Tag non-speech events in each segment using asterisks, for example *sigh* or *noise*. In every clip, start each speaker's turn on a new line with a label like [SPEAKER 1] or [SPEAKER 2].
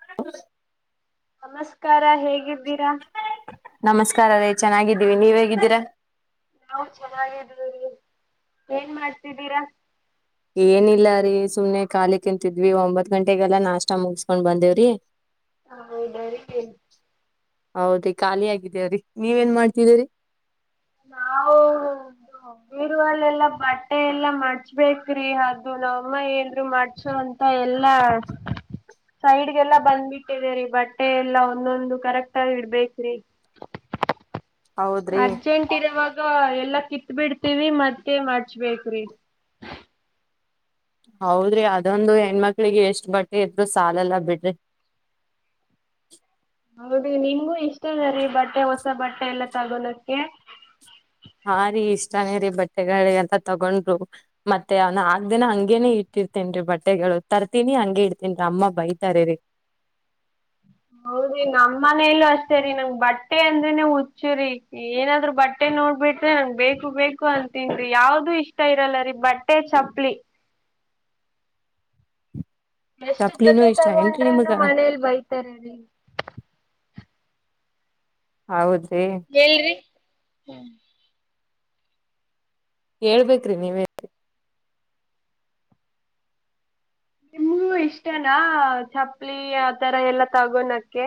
[SPEAKER 1] ಹ. *unintelligible*
[SPEAKER 2] ನಮಸ್ಕಾರ ಹೇಗಿದ್ದೀರಾ.
[SPEAKER 1] ನಮಸ್ಕಾರ ರೇ ಚೆನ್ನಾಗಿದ್ದೀವಿ ನೀವ್ ಹೇಗಿದ್ದೀರಾ.
[SPEAKER 2] ನಾವು ಚೆನ್ನಾಗಿದೀವಿ ಏನ್ ಮಾಡ್ತಿದ್ದೀರಾ
[SPEAKER 1] ಏನಿಲ್ಲ ರೀ ಸುಮ್ನೆ ಕಾಲಿಕುಂತಿದ್ವಿ ಒಂಬತ್ ಗಂಟೆಗೆಲ್ಲಾ ನಾಷ್ಟ ಮುಗಸ್ಕೊಂಡ್ ಬಂದೇವ್ರಿ
[SPEAKER 2] ಹ ಹೌದಾ ಅ.
[SPEAKER 1] ಹೌದ ಖಾಲಿ ಆಗಿ ಬಿದ್ದಿವ್ರಿ ನೀವ ಏನ್ ಮಾಡ್ತಿದೀರಿ.
[SPEAKER 2] ನಾವು ಬೇರುವಲ್ಲೆಲ್ಲ ಬಟ್ಟೆ. ಎಲ್ಲ ಮಾಡಿಚೆಂಬೇಕ್ರಿ ಅದು ನಾಮ್ ಅಮ್ಮ ಹೇಳುದ್ರು ಮಾಡಿಚು ಅಂತ ಎಲ್ಲಾ. ಸೈಡ್ಗೆಲ್ಲಾ ಬಂದ್ಬಿಟ್ಟಿದೆ ರೀ ಬಟ್ಟೆ ಎಲ್ಲಾ ಒಂದೊಂದು ಕರೆಕ್ಟ್ ಆಗ ಇಡ್ಬೇಕ್ರಿ
[SPEAKER 1] ಹೌದ್ರಿ
[SPEAKER 2] ಅರ್ಜೆಂಟ್ ಇರವಾಗ ಎಲ್ಲಾ ಕಿತ್ ಬಿಡ್ತೀವಿ ಮತ್ತೆ ಮಾಡಚ್ಬೇಕ್ರಿ
[SPEAKER 1] ಹೌದ್ರಿ ಅದೊಂದು ಹೆಣ್ಮಕ್ಳಿಗೆ ಎಷ್ಟ್ ಬಟ್ಟೆ ಇದ್ರು ಸಾಲಲ್ಲಾ ಬಿಡ್ರಿ.
[SPEAKER 2] ಹೌದ ನಿಮಗೂ ಇಷ್ಟ ಅದೆ ರೀ ಬಟ್ಟೆ ಹೊಸ ಬಟ್ಟೆ ಎಲ್ಲ ತಗೋಳಕ್ಕೆ.
[SPEAKER 1] ಹಾ ರೀ ಇಷ್ಟಾನೇ ರೀ ಬಟ್ಟೆಗಳ ಎಂತ ತಗೊಂಡ್ರು. ಮತ್ತೆ ಹಾ ನಾಕು ದಿನ ಹಂಗೇನೆ ಇಟ್ಟಿರ್ತೇನ್ರಿ ಬಟ್ಟೆಗಳು ತರ್ತೀನಿ ಹಂಗೆ ಇಡ್ತೇನ್ರಿ ಅಮ್ಮ ಬೈತಾರೆರಿ
[SPEAKER 2] ಹೌದ್ರಿ ನಮ್ ಮನೇಲ್ಲೂ ಅಷ್ಟೇ ರೀ ನಂಗ್ ಬಟ್ಟೆ ಅಂದ್ರೇನೆ ಹುಚ್ಚುರಿ ಏನಾದ್ರು ಬಟ್ಟೆ ನೋಡ್ಬಿಟ್ರೆ ನನ್ ಬೇಕು ಬೇಕು ಅಂತನ್ರಿ ಯಾವ್ದೂ ಇಷ್ಟ ಇರಲ್ಲ ರೀ ಬಟ್ಟ್ ಟ್ಟೆ ಚಪ್ಲಿ ಎಷ್ಟ್
[SPEAKER 1] ಚಪ್ಲಿನೂ
[SPEAKER 2] ಜೊತೆ
[SPEAKER 1] ಇಷ್ಟ ಏನ್ರಿ ನಿಮಗ
[SPEAKER 2] ತಗೊಂಡ್ರನು ಮನೇಲಿ ಬೈತಾರೆ ರಿ
[SPEAKER 1] ಹೌದ್ರೀ.
[SPEAKER 2] ಹೇಳ್ರಿ ಹ.
[SPEAKER 1] ಹೇಳ್ಬೇಕ್ರಿ ನೀವೇ
[SPEAKER 2] ನಿಮಗೂ ಇಷ್ಟನಾ ಚಪ್ಲಿ ಆತರ ಎಲ್ಲಾ ತಗೋಣಕ್ಕೆ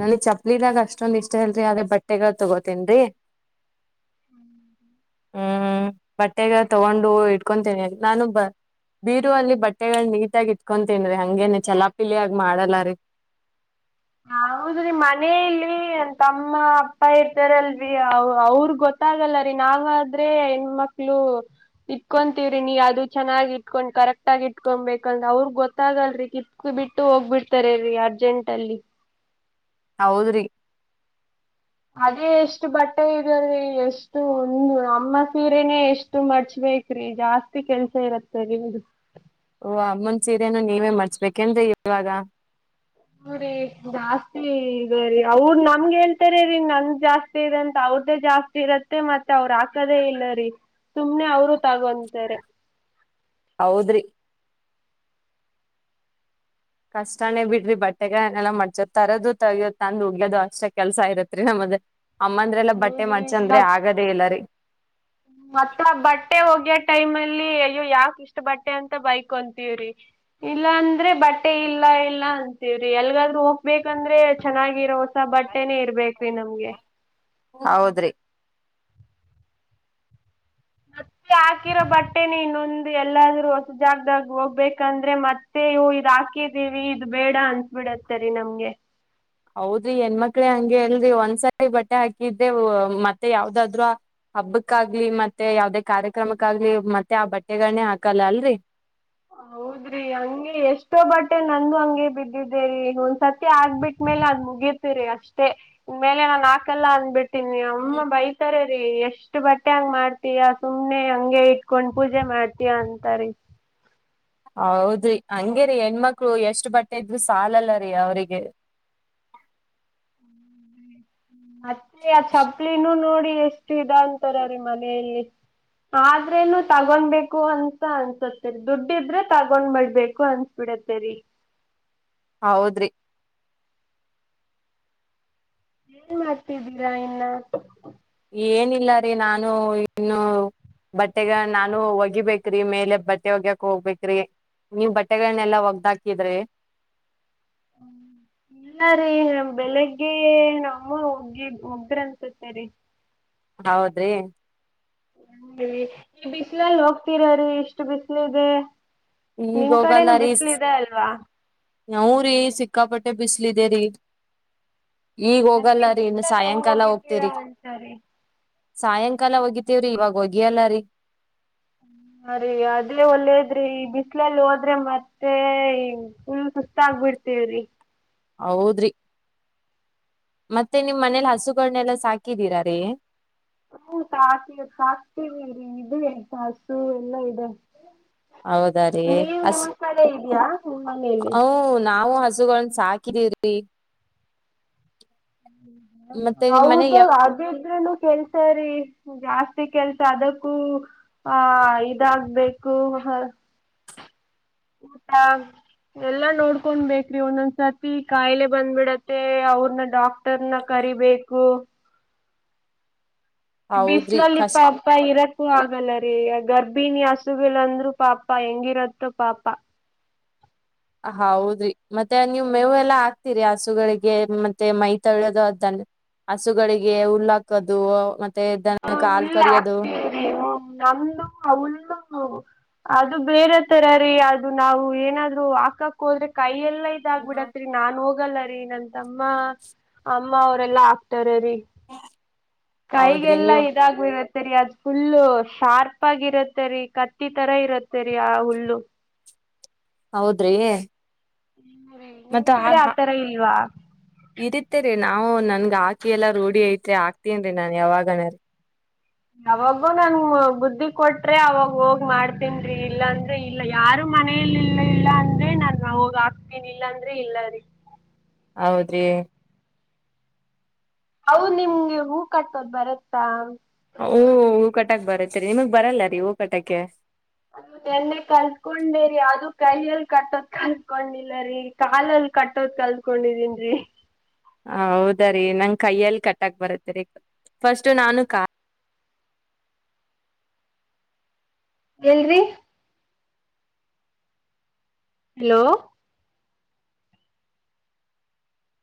[SPEAKER 1] ನನ್ಗ್ ಚಪ್ಪಲಿಿದಾಗ ಅಷ್ಟೊಂದ ಇಷ್ಟ ಇಲ್ರಿ ಆದ್ರೆ ಬಟ್ಟೆಗಳು ತಗೋತೇನ್ರೀ
[SPEAKER 2] *inaudible*
[SPEAKER 1] ಬಟ್ಟೆಗಳ್ ತಗೊಂಡು ಇಟ್ಕೊತೇನೆಿ ನಾನು ಬ. ಬೀರು ಅಲ್ಲಿ ಬಟ್ಟೆಗಳು ನೀಟಾಗಿ ಇಟ್ಕೊತೀನ್ರಿ ಹಂಗೇನೆ ಚಲಾಪಿಲಿಯಾಗಿ ಮಾಡಲ್ಲ ರೀ.
[SPEAKER 2] ಹೌದ್ರಿ ಮನೆ ಅಲ್ಲಿ ನನ್ ತಮ್ಮ ಅಪ್ಪ ಇರ್ತಾರಲ್ರಿ ಅವ ಅವ್ರ ಗೊತ್ತ ಗೊತ್ತಾಗಲ್ಲರಿ ನಾವಾದ್ರೆ ಹೆಣ್ಮಕ್ಳು ಇಟ್ಕೊಂತೀವ್ರಿ ನೀ ಅದು ಚೆನ್ನಾಗಿ್ ಇಟ್ಕೊಂಡ್ ಕರೆಕ್ಟ್ ಆಗ ಇಟ್ಕೊಬೇಕಂದ್ರ ಅವ್ರಗ್ ಗೊತ್ತಾಗಲ್ರಿ ಕಿ. ತ್ ಎಸ್ತ್ ಬಿಟ್ಟು ಹೋಗ್ಬಿಡ್ತಾರೆ ರೀ ಅರ್ಜೆಂಟ್ ಅಲ್ಲಿ.
[SPEAKER 1] ಹೌದ್ರಿ.
[SPEAKER 2] ಅದೇ ಎಷ್ಟು ಬಟ್ಟೆ ಇದೆ ರಿ ಎಷ್ಟು ಒಂದು ಅಮ್ಮ ಸೀರೆನೇ ಎಷ್ಟು ಮಾಡ್ಚಬೇಕು. ತರೀ ಜಾಸ್ತಿ ಕೆಲ್ಸ ಇರತ್ತೆ ನಿಮ್ದು.
[SPEAKER 1] ಓ ಅಮ್ಮನ್ ಸೀರನು ನೀವೇ ಮಡ್ಚಬೇಕೆನ್ರಿ ಇವಾಗ.
[SPEAKER 2] ಹೂರೀ ಜಾಸ್ತಿ ಇದೆ ರೀ ಅವ್ರ ನಮ್ಗೆ ಹೇಳ್ತಾರೆರೀ ನನ್ ಜಾಸ್ತಿ ಇದೆ ಅಂತ ಅವ್ರದ್ದೇ ಜಾಸ್ತಿ ಇರತ್. ತ್ತೆ ಮತ್ತೆ ಅವ್ರ ಹಾಕದೇ ಇಲ್ಲರಿ ಸುಮ್ನೆ ಅವರೂ ತಗೊಂತಾರೆ.
[SPEAKER 1] ಹೌದ್ರಿ ಕಷ್ಟಾನೇ ಬಿಡ್ರಿ ಬಟ್ಟೆಗಳನೆೆಲ್ಲ ಮಾಡ್ಚೋದ ತರೋದು ತಗ್ಯೋದ ತಂದು ಒಗ್ಗ್ಯೋದು ಅಷ್ಟ ಕೆಲ್ಸ ಇರತ್ರಿ ನಮದ. ಅಮ್ಮಂದ್ರೆಲ್ಲಾ
[SPEAKER 2] ಹೌದು
[SPEAKER 1] ಬಟ್ಟೆ
[SPEAKER 2] ರೀ
[SPEAKER 1] ಮಡ್ಚ ಅಂದ್ರೆ ಆಗದೇ ಇಲ್ಲರೀ.
[SPEAKER 2] ಮತ್ತ ಬಟ್ಟೆ ಒಗ್ಯ ಟೈಮಲ್ಲಿ ಅಯ್ಯೋ ಯಾಕ ಇಷ್ಟ ಬಟ್ಟೆ ಅಂತ ಬೈಕೊಂತೀವ್ರಿ. ಇಲ್ಲ ಅಂದ್ರೆ ಬಟ್ಟೆ ಇಲ್ಲ ಇಲ್ಲ ಅಂತೀವ್ರಿ ಎಲ್ಗಾದ್ರೂ ಹೋಗ್ಬೇಕಂದ್ರೆ ಚೆನ್ನಾಗಿರೋ ಸ ಬಟ್ಟೆನೆೇ ಇರ್ಬೇಕ್ರಿ ನಮ್ಗೆ.
[SPEAKER 1] ಹೌದ್ರಿ
[SPEAKER 2] ಮತ್ತೆ ಹಾಕಿರೋ ಬಟ್ಟೆನ ಇನ್ನೊಂದು ಎಲ್ಲಾದ್ರೂ ಹೊಸ ಜಾಗದಾಗ ಹೋಗ್ಬೇಕಂದ್ರೆ ಮತ್ ಸೇವೋ ಇದ್ ಹಾಕಿದೀವಿ ಇದು ಬೇಡ ಅನ್ಸ ಬೀಡತ್ತೇರಿ ನಮ್ಗೆ
[SPEAKER 1] ಹೌದ್ರಿ ಹೆಣ್ಮಕ್ಳೇ ಹಂಗೆ ಅಲ್ರಿ ಒಂದ್ಸಾರಿ ಬಟ್ಟೆ ಹಾಕಿದ್ದೆ ಮತ್ತೆ ಯಾವ್ದಾದ್ರೂ. ಹಬ್ಬಕ್ಕಾಗ್ಲಿ ಮತ್ತೆ ಯಾವದೇ ಕಾರ್ಯಕ್ರಮಕ್ಕಾಗ್ಲಿ ಮತ್ತೆ ಆ ಬಟ್ಟೆಗಳನ್ನೇ ಹಾಕಲ್ಲ ಅಲ್ರೀ.
[SPEAKER 2] ಹೌದ್ರಿ ಹಂಗೆ ಎಷ್ಟೋ ಬಟ್ಟೆ ನಂದು ಹಂಗೆ ಬಿದ್ದಿದ್ದೆರಿ ಒಂದ್ಸತಿ ಹಾಗ್ಬಿಟ್ಟ್ಮೇಲೆ ಅದ್ ಮುಗಿತ ತರಿ ಅಷ್ಟೇ ಇನ್ಮೇಲೆ ನಾನ ಹಾಕಲ್ಲ ಅಂದಬಿಟ್ಟಿನಿ ಅಮ್ಮ ಬೈ ತರೇರಿ ಎಷ್ಟ ಬಟ್ಟೆ ಹಂಗ ಮಾಡ್ತೀಯ ಸುಮ್ನೆ ಹಂಗೆ ಇಟ್ಕೊಂಡ್ ಪೂಜೆ ಮಾಡ್ತೀಯ ಅಂತಾರೀ.
[SPEAKER 1] ಹೌದ್ರಿ ಹಂಗೇ ರೀ ಹೆಣ್ಮಕ್ಳು ಎಷ್ಟ್ ಬಟ್ಟೆ ಇದ್ರು ಸಾಲಲ್ಲ ರೀ ಅವ್ರಿಗೆ.
[SPEAKER 2] ಮತ್ತೆ ಆ ಚಪ್ಲಿನೂ ನೋಡಿ ಎಷ್ಟು ಇದ ಅಂತಾರೆರೀ ಮನೆಯಲ್ಲಿ. ಆದ್ರೇನು ತಗೊಂಬೇಕು ಅಂತ ಅನ್ಸತ್ತೆರಿ ದುಡ್ಡ ಇದ್ರೆ ತಗೊಂಡ ಬಿಡ್ಬೇಕು ಅನ್ಸ್ ಬಿಡತ್ತೇರಿ.
[SPEAKER 1] ಹೌದ್ರಿ
[SPEAKER 2] ಏನ್ ಮಾಡ್ತಿದ್ದೀರಾ ಇನ್ನ
[SPEAKER 1] ಏನಿಲ್ಲ ರೀ ನಾನು ಇನ್ನು. ಬಟ್ಟೆಗಳ ನಾನು ಒಗಿಬೇಕ್ರಿ ಮೇಲೆ ಬಟ್ಟೆ ಒಗ್ಯಕ್ ಹೋಗ್ಬೇಕ್ರಿ. ನೀವ್ ಬಟ್ಟೆಗಳನ್ನೆಲ್ಲಾ ಒಗ್ದ ಹಾಕಿದ್ರಿ.
[SPEAKER 2] ಹ್ಮ್ *inaudible* ಇಲ್ಲ ರೀ ಬೆಳಿಗ್ಗೆ ನಮ್ಮಮ್ಮ ಒಗಿ ಒಗ್ದ್ರಿ ಅನ್ಸತೆೇರಿ.
[SPEAKER 1] ಹೌದ್ರಿ
[SPEAKER 2] ಈ ಬಿಸ್ಲಲ್ಲಿ ಹೋಗ್ತೀರರೀ ಇಷ್ಟ ಬಿಸ್ಲಿದೆ.
[SPEAKER 1] ಈಗ
[SPEAKER 2] ನಿಮ್ ಕಡೆೇನು ಬಿಸ್ಲ್ ಇದೆ ಅಲ್ವಾ.
[SPEAKER 1] ಹೂರಿ ಸಿಕ್ಕಾಪಟ್ಟೆ ಬಿಸ್ಲಿದೇರಿ. ಈಗ
[SPEAKER 2] ಅದೇ ಈ
[SPEAKER 1] ಹೋಗಲ್ಲರಿ ಇನ್ನು
[SPEAKER 2] ಬಿಸ್ಲಲ್ಲಿ ಹೆಂಗ್
[SPEAKER 1] ಸಾಯಂಕಾಲ
[SPEAKER 2] ಹೋಗಿರ್ತೀರಾ
[SPEAKER 1] ಹೋಗ್ತೆರಿ.
[SPEAKER 2] ಅಂತಾರಿ
[SPEAKER 1] ಸಾಯಂಕಾಲ ಒಗಿತೀವ್ರಿ ಇವಾಗ ಒಗಿಯಲ್ಲರೀ.
[SPEAKER 2] ಹ ರೀ ಅದ್ಲೆ ಒಳ್ಳೇದ್ರಿ ಈ ಬಿಸಲಲ್ಲಿ ಹೋದ್ರೆ ಮತ್ತೆ ಫುಲ್ ಸುಸ್ತಾಗ್ ಬಿಡ್ತೇವ್ರಿ.
[SPEAKER 1] ಹೌದ್ರಿ ಮತ್ತೆ ನಿಮ್ ಮನೇಲಿ ಹಸುಗಳನೆಲ್ಲ ಸಾಕಿದೀರಾರೀ.
[SPEAKER 2] ಹ್ಮ ಸಾಕ್ತಿವ್ ಸಾಕ್ತಿವಿರಿ ಇದು *unintelligible* ಹಸು ಎಲ್ಲಾ ಇದೆ.
[SPEAKER 1] ಹೌದಾ ರೀ
[SPEAKER 2] ನೀವ್
[SPEAKER 1] ಹಸ್
[SPEAKER 2] ನಿಮ್ ಕಡೆ ಇದ್ಯಾ ನಿಮ್ ಮನೇಲಿ.
[SPEAKER 1] ಹ್ಮ್ಮ್ ನಾವು ಹಸುಗಳ ಸಾಕಿದೀವ್ರಿ. ಮತ್ತೆ ನಿಮ್ ಮನೆ
[SPEAKER 2] ಹೌದು
[SPEAKER 1] ಯ
[SPEAKER 2] ಅದ ಇದ್ರನು ಕೆಲ್ಸ. ಸರಿ ಜಾಸ್ತಿ ಕೆಲ್ಸ ಅದಕ್ಕೂ ಹಾ ಇದಾಗಬೇಕು. ಊಟಾ *unintelligible* ಎಲ್ಲಾ ನೋಡ್ಕೊಂಡ್ ಬೇಕ್ರಿ ಒಂದೊಂದ್ಸರ್ತಿ ಕಾಯಿಲೆ ಬಂದ್ಬಿಡತ್ತೆ ಅವ್ರನ ಡಾಕ್ಟ, ತರಕಾರಿಬೇಕು. ಈ
[SPEAKER 1] ಹೌದ್ರಿ
[SPEAKER 2] ಬಿಸಲ್ಲಿ ಲಿಪ್
[SPEAKER 1] ಕಷ್
[SPEAKER 2] ಪಾಪ ಇರಕ್ಕೂ ಆಗಲ್ಲ ರೀಗ ಗರ್ಭಿಣಿ ಹಸುಗಲ್ಂದ್ರು ಪಾಪ ಹೆಂಗಿರತ್ತೋ ಪಾಪ.
[SPEAKER 1] ಹೌದ್ರಿ ಮತ್ತೆ ನೀವು ಮೇವು ಎಲ್ಲ ಆಗ್ತೀರಿ ಹಸುಗಳಿಗೆ ಮತ್ತೆ ಮೈ ತಳ್ಯೋದು ಅದ್ದನ್ನ. ಹಸುಗಳಿಗೆ ಹುಲ್ಲಾಕೋದು ಮತ್ತೆ ದನ ಕ ಹಾಲು ಕರಿಯೋದು.
[SPEAKER 2] ನನ್ನ *unintelligible* ಅಮಲ್ಲ ಅದು ಬೇರೆ ತರ ರೀ ಅದು ನಾವು ಏನಾದ್ರು ಹಾಕಾಕ್ ಹೋದ್ರೆ ಕೈಯ ಎಲ್ಲ. ಇದಾಗಬಿಡತ್ರಿ ನಾ ಹೋಗಲ್ಲರಿ ನನ್ ತಮ್ಮ ಅಮ್ಮ ಅವರೆಲ್ಲಾ ಆಕ್ತಾರ ರೀ
[SPEAKER 1] ಹೌದ್ರಿ
[SPEAKER 2] ಕೈಗೆಲ್ಲಾ
[SPEAKER 1] ನೀವು
[SPEAKER 2] ಇದಾಗ ಇರತ್ತರಿ ಅದ್ ಫುಲ್ಲು ಶಾರ್ಪ್ ಆಗಿರತ್ತೆ ರರಿ ಕತ್ತಿ ತರ ಇರತ್ತೆ ರೀ ಆ ಹುಲ್ಲು.
[SPEAKER 1] ಹೌದ್ರಿ
[SPEAKER 2] ನಿಮ್ ಕಡೆ ಆತರ ಇಲ್ವಾ.
[SPEAKER 1] ಇರತ್ತೇ ರೀ ನಾವು ನನ್ಗ ಆಕೆ ಎಲ್ಲ ರೂಢಿ ಐತ್ರಿ ಆಕ್ತೇನ್ ರೀ ನಾನ್ ಯಾವಾಗಣ.
[SPEAKER 2] ಅವಾಗೂ ನನ್ ಬುದ್ಧಿ ಕೊಟ್ರೆ ಅವಾಗ ಹೋಗ್ ಮಾಡ್ತನ್ರಿ ಇಲ್ಲಾಂತ- ಇಲ್ಲ ಯಾರು ಮನೆಯಲ್ಲಿ ಇಲ್ಲ ಇಲ್ಲ ಅಂದ್ರೆ ನಾನು ನಾವೋಗ ಹಾಕ್ತೇನಿಲ್ಲ ಅಂದ್ರೆ ಇಲ್ಲರಿ.
[SPEAKER 1] ಹೌದ್ರಿ
[SPEAKER 2] ಹೌದು ನಿಮ್ಗೆ ಹೂ ಕಟ್ಟೋದ್ ಬರತ್ತಾ.
[SPEAKER 1] ಹಊ ಹೂ ಕಟಕ್ ಬರತ್ತರಿ ನಿಮಗ್ ಬರಲ್ಲ ರೀ ಹೂ ಕಟಕ್ಕೆ
[SPEAKER 2] ಅದು ನೆನ್ನೆ ಕಲ್ತ್ಕೊಂಡೆರಿ ಅದು ಕೈಯಲ್ಲಿ ಕಟ್ಟೋದ್ ಕಲ್ತ್ಕೊಂಡಿಲ್ಲರಿ. ಕಾಲಲ್ಲಿ ಕಟ್ಟೋದ್ ಕಲ್ತ್ಕೊಂಡಿದೀನಿರಿ
[SPEAKER 1] ಹೌದ ರೀ ನಂಗ ಕೈಯ್ಯಲ್ಲಿ ಕಟ್ಟಕ್ ಬರತ್ತರಿ ಫಸ್ಟ್ ನಾನು
[SPEAKER 2] ಎಲ್ಲಿ ರ್ರೀ ಹಲೋ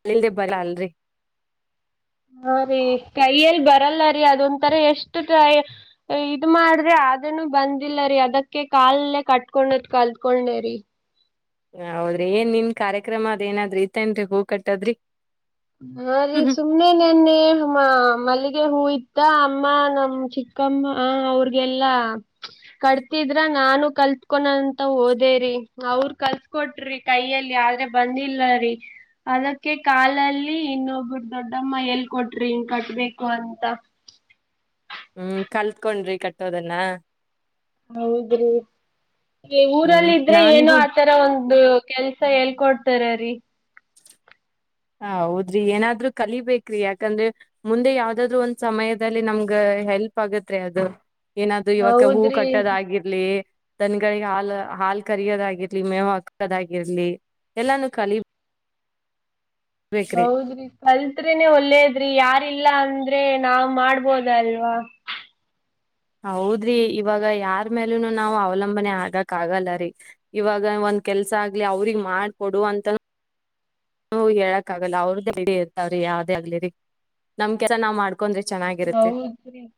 [SPEAKER 1] ಅಲ್ಲಿಲ್ದೇ ಬರ ಅಲ್ರರಿ.
[SPEAKER 2] ಹಾ ರೀ ಕೈಯಲ್ಲಿ ಬರಲ್ಲ ರೀ ಅದೊಂತರ ಎಷ್ಟು ಕ ಇದ ಮಾಡ್ರೆ ಅದನೂ ಬಂದಿಲ್ಲ ರರಿ ಅದಕ್ಕೆ ಕಾಲಲ್ಲೇ ಕಟ್ಕೊಂಡದ್ ಕಲ್ತ್ಕೊಂಡನೇ ರರಿ
[SPEAKER 1] ಹೌದ್ರಿ ಏನ್ ನಿನ್ ಕಾರ್ಯಕ್ರಮ ಅದನಾದ್ರರು ಇತೇಏನ್ರರಿ ಹೂ ಕಟ್ಟದ್ರಿ.
[SPEAKER 2] ಹಾ ರ ಸು ಒಮ್ಮೆ ನೆನ್ನೆ ಮಲ್ಲಿಗೆ ಹೂ ಇತ್ತ ಅಮ್ಮ ನಮ್ಮ್ ಚಿಕ್ಕಮ್ಮ ಹಾ ಅವ್ರಗೆಲ್ಲಾ ಕಟ್ತಿದ್ರ ನಾನು ಕಲ್ತ್ಕೊ ಅಂತ ಹಓದೇರಿ ಅವ್ರ ಕಲ್ತ್ ಕೊಟ್ರಿ ಕೈಯಲ್ಲಿ ಆದ್ರೆ ಬಂದಿಲ್ಲ ರರಿ ಅದಕ್ಕೆ ಕಾಲಲ್ಲಿ. ಇನ್ನೊಬ್ಬರು ದೊಡ್ಡಮ್ಮ ಎಲ್ ಕೊಟ್ರಿ ಹಿಂಗ ಕಟ್ಬೇಕು ಅಂತ.
[SPEAKER 1] ಹ್ಮ್- ಕಲ್ತ್ಕೊಂಡ್ರಿ ಕಟ್ಟೋದನ್ನ.
[SPEAKER 2] ಹೌದ್ರಿ
[SPEAKER 1] ಹ್ಮ್
[SPEAKER 2] ಊರಲ್ಲಿ ಇದ್ರೆ ಏನು
[SPEAKER 1] ನನ್ಗೂ
[SPEAKER 2] ಆತರ, *inaudible* ಒಂದು ಕೆಲ್ಸ ಎಲ್ ಕೊಡ್ತಾರ ರೀ
[SPEAKER 1] ಹ- ಹೌದ್ರಿ ಏನಾದ್ರು ಕಲಿಬೇಕ್ರಿ ಯಾಕಂದ್ರೆ, ಮುಂದೆ ಯಾವ್ದಾದ್ರು ಒಂದ್ ಸಮಯದಲ್ಲಿ ನಮ್ಗ ಹೆಲ್ಪ್ ಆಗತ್ತೇ ಅದು ಏನಾದ್ರು ಇವಾಗ ಹೂ
[SPEAKER 2] ಹೌದ್ರಿ
[SPEAKER 1] ಕಟ್ಟದಾಗಿ ಇರ್ಲಿ ತನಿಗಳಿಗೆ ಹಾಲ್ ಹಾಲ್ ಕರಯೋದಾಗಿರ್ಲಿ ಮೇವ್ ಹಾಕದಾಗಿರ್ಲಿ. ಎಲ್ಲಾನು ಕಲಿ
[SPEAKER 2] ಹೌದ್ರಿ ಕಲ್ತ್ರಿೇನೇ ಒಳ್ಳೇದ್ರಿ ಯಾರಿಲ್ಲ ಅಂದ್ರೆ ನಾವ್ ಮಾಡ್ಬೋದಲ್ವಾ
[SPEAKER 1] ಹೌದ್ರಿ ಇವಾಗ ಯಾರ್ ಮೇಲೂನು ನಾವ್ ಅವಲಂಬನೆ ಆಗಕ್ ಆಗಲ್ಲರಿ ಇವಾಗ ಒಂದ್ ಕೆಲ್ಸ ಆಗ್ಲಿ ಅವ್ರಗ್ ಮಾಡಕೊಡು ಅಂತ ನು ಹೇಳಕ್ ಆಗಲ್ಲ ಅವ್ರದೆ ಕೆಲ್ಸ ಇರ್ತಾವ್ರೀ ಯಾವ್ದೇ ಆಗ್ಲಿ ರ ನಮ್ ಕೆಲ್ಸ ನಾವ್ ಮಾಡ್ ಕೊಂಡ್ರೆ ಚನ್ನಾಗಿರುತ್ತೆ
[SPEAKER 2] ಹರಿ *unintelligible*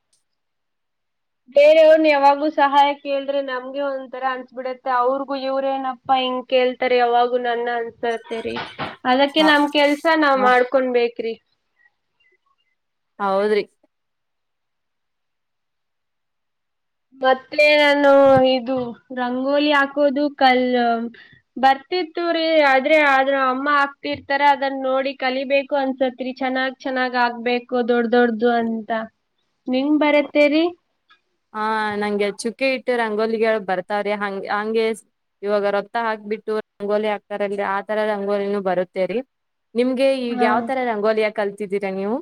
[SPEAKER 2] ಬೇರೆಯವ್ರನ್ನ ಯಾವಾಗೂ ಸಹಾಯ ಕೇಳಿದ್ರೆ ನಮ್ಗೆ ಒಂಥರ ಅನ್ಸ್ಬಿಡತ್ತೆ ಅವ್ರಿಗು ಇವ್ರೇನಪ್ಪ ಪ್ಪಾ ಹಿಂಗ ಕೇಳ್ತಾರೆ ಯಾವಾಗೂ ನನ್ನ ಅನ್ಸರ್ತೆೇರಿೀ ಅದಕ್ಕೆ
[SPEAKER 1] ಹ
[SPEAKER 2] ನಮ ಕೆಲ್ಸ ನಾವ್
[SPEAKER 1] ಹ
[SPEAKER 2] ಮಾಡ್ಕೊೊಂಡ್ ಬೇಕ್ರಿ
[SPEAKER 1] ಹೌದ್ರಿ
[SPEAKER 2] ಮತ್ತೇ ನಾನು ಇದು ರಂಗೋಲಿ ಹಾಕೋದು ಕಲ್ ಬರ್ತಿತ್ತು ರೀ ಆದ್ರೆ ಆದ್ರ ಅಮ್ಮ ಆಕ್ತಿರ್ತಾರ ಅದನ್ನ ನೋಡಿ ಕಲಿಬೇಕು ಅನ್ಸತ್ರಿ ಚೆನ್ನಾಗ್. ಚೆನ್ನಾಗ್ ಆಗ್ಬೇಕು ದೊಡ್ಡ ದೊಡ್ದು ಅಂತ ನಿಂಗ ಬರತ್ತೇರಿೀ.
[SPEAKER 1] ಹ ನಂಗೆ ಚುಕ್ಕೆ ಇಟ್ಟು ರಂಗೋಲಿಗಳು ಬರ್ತಾವ್ರಿ ಹಂಗ ಹಂಗೆ. ಇವಾಗ ರೊತ್ತ ಹಾಕ್ಬಿಟ್ಟು ರಂಗೋಲಿ ಹಾಕ್ಕರಲ್ಲಿ ಆ ತರದ ರಂಗೋಲಿನೂ ಬರುತ್ತೇರಿ ನಿಮ್ಗೆ ಈಗ
[SPEAKER 2] ಹಾ.
[SPEAKER 1] ಯಾವ್ ತರ ರಂಗೋಲಿಯ ಕಲ್ತಿದ್ದೀರಾ ನೀವು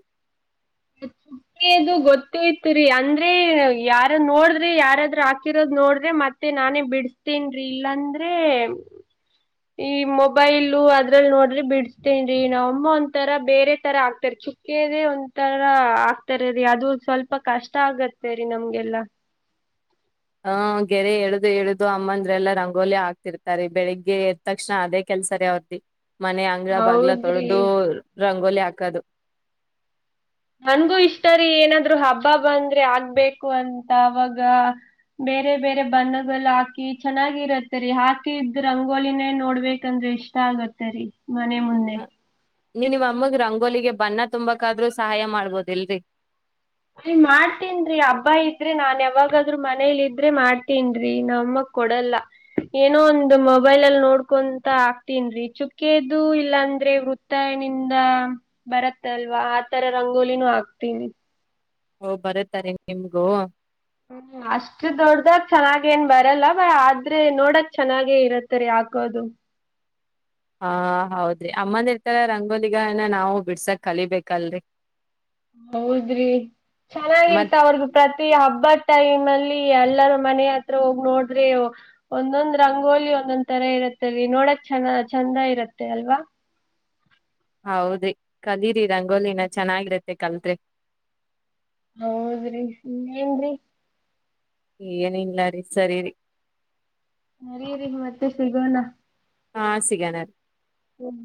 [SPEAKER 2] ಹ *unintelligible* ನಮ್ಗೆ ಅದು ಗೊತ್ತ ಇತ್ ರಿ ಅಂದ್ರೆ ಯಾರ್ ನೋಡ್ರಿ ಯಾರಾದ್ರೂ ಹಾಕಿರೋದ್ ನೋಡ್ರೆ ಮತ್ತೆ ಮತ್ತೆ ನಾನೇ ಬಿಡಸ್ತೇನ್ ರೀ ಇಲ್ಲಾಂದ್ರೆ ಈ ಮೊಬೈಲು ಅದ್ರಲ್ ನೋಡ್ರಿ ಬಿಡಸ್ತೇನ್ ರೀ ನಾಮ್ ಅಮ್ಮ ಒಂತರ ಬೇರೆ ತರ ಆಗ್ತರ್ ದೇ ಒಂಥರ ಆಗ್ತಾರ ರೀ ಅದು ಸ್ವಲ್ಪ ಕಷ್ಟ ಆಗತ್ತೆ ರೀ ನಮ್ಗೆಲ್ಲ
[SPEAKER 1] ಹ ಗೆರೆ ಎಳ್ದು ಎಳ್ದು ಅಮ್ಮಂದ್ರೆಲ್ಲಾ ರಂಗೋಲಿ ಆಗ್ತಿರ್ತಾರೆ ಬೆಳಿಗ್ಗೆ ಎ ತಕ್ಷಣ ಅದೇ ಕೆಲ್ಸ ರೆ ಅವರ್ದು ಮನೆ ಅಂಗ್ಗಳ ಬಗ್ಲ
[SPEAKER 2] ಹೌದ್ರಿ.
[SPEAKER 1] ತೊಳೆ್ದ ರಂಗೋಲಿ ಹಾಕದು
[SPEAKER 2] ನನ್ಗೂ ಇಷ್ಟಾರಿೀ ಏನಾದ್ರು ಹಬ್ಬ ಬಂದ್ರೆ ಆಗ್ಬೇಕು ಅಂತ ಅವಾಗ ಬೇರೆ ಬೇರೆ ಬಣ್ಣಗಳು ಹಾಕಿ ಚೆನ್ನಾಗಿರತ್ತ ರೀ ಹಾಕಿ ಇದ ರಂಗೋಲಿನೇ ನೋಡ್ಬೇಕಂದ್ರೆ ಇಷ್ಟ ಇಷ್ಟ ಆಗುತ್ತೆ ರಿೀ ಮನೆ ಮುಂದೆ
[SPEAKER 1] ನೀವ್ ನಿಮ್ ಅಮ್ಮಗ್ ರಂಗೋಲಿಗೆ ಬಣ್ಣ ತುಂಬಕದ್ರೂ ಸಹಾಯ ಮಾಡ್ಬೋದಿಲ್ರಿ
[SPEAKER 2] ಮಾಡ್ತೀನ್ ರೀ ಹಬ್ಬಾ ಇದ್ರೆ ನಾನ್ ಯಾವಾಗಾದ್ರು ಮನೇಲಿ ಇದ್ರೆ ಮಾಡ್ತೇನ್ ರೀ ನಮ್ಮ ಕೊಡಲ್ಲ ಏನೋ ಒಂದು ಮೊಬೈಲ್ ಅಲ್ಲಿ ನೋಡ್ಕೊಂತ ಆಕ್ತಿನ್ರಿ ಚುಕ್ಕಿದುು ಇಲ್ಲಾಂದ್ರೆ ವೃತ್ತ ತನಿಂದ ಬರತ್ತಲ್ವಾ ಆತರ ರಂಗೋಲಿ ನು ಹಾಕ್ತಿನಿ
[SPEAKER 1] ಓ ಬರುತ್ತಾ ನಿಮಗೂ
[SPEAKER 2] ಅಷ್ಟ ದೊಡ್ಡ್ದಾಗ ಚೆನ್ನಾಗ ಏನ್ ಬರಲ್ಲ ಬ ಆದ್ರೆ ನೋಡಕ್ ಚೆನ್ನಾಗೇ ಇರತ್ತರಿೀ ಹಾಕೋದು
[SPEAKER 1] ಹಾ ಹೌದ್ರಿ ಅಮ್ಮಂದಿರ್ ತರ ರಂಗೋಲಿನ ನಾವು ಬಿಡ್ಸಕ್ ಕಲಿಬೇಕಲ್ರಿ
[SPEAKER 2] ಹೌದ್ರಿ
[SPEAKER 1] ಮತ್
[SPEAKER 2] ಚೆನ್ನಾಗಿರ್ತ ಅವರ್ದು ಪ್ರತಿ ಹಬ್ಬದ ಟೈಮ್ ಅಲ್ಲಿ ಎಲ್ಲರ ಮನೆ ಹತ್ರ ಹೋಗಿ ನೋಡ್ರೆ ಒಂದೊಂದ್ ರಂಗೋಲಿ ಒಂದೊಂದ್ ತರ ಇರತ್ತ ರೀ ನೋಡಕ್ ಚ ಚಂದ ಇರತ್ತೆ ಅಲ್ವಾ
[SPEAKER 1] ಹೌದ್ರಿ ಕಲೀರಿ ರಂಗೋಲಿನ ಚೆನ್ನಾಗಿರತ್ತೆ ಕತ್ರೆ
[SPEAKER 2] ಹೌದ್ರಿ ಇನ್ನೆಂನ್ರೀ
[SPEAKER 1] ಏನಿಲ್ಲಾರಿೀ ಸರಿ ರಿ
[SPEAKER 2] ಸರಿ ರೀ ಮತ್ತೆ ಸಿಗೋಣ
[SPEAKER 1] ಹಾಂ ಸಿಗಣ ರೀ
[SPEAKER 2] ಹ್ಮ್